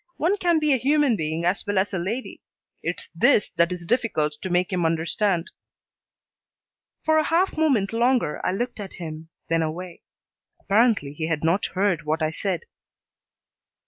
One can be a human being as well as a lady. It's this that is difficult to make him understand. For a half moment longer I looked at him, then away. Apparently he had not heard what I said.